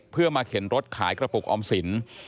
เพื่อมาเข็นรถขายกระปุกออมสิน